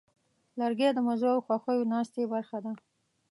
لرګی د مزو او خوښیو ناستې برخه ده.